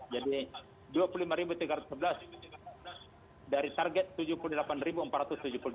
jadi rp dua puluh lima tiga ratus sebelas dari target rp tujuh puluh delapan empat ratus tujuh puluh dua